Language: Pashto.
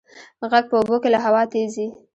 غږ په اوبو کې له هوا تېز ځي.